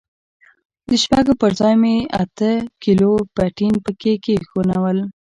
د شپږو پر ځاى مې اته کيلو پټن پکښې کښېښوول.